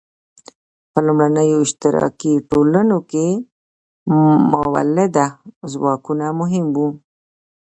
په لومړنیو اشتراکي ټولنو کې مؤلده ځواکونه مهم وو.